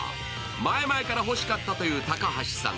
前々から欲しかったという高橋さん